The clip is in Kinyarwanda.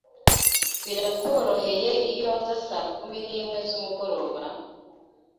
Birakworoheye iyo nza saa kumi nimwe zumugoroba?